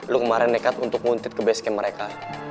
lo kemarin nekat untuk nguntit ke basecamp mereka